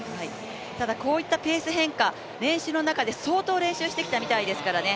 ただ、こういったペース変化練習の中で相当練習してきたみたいですからね。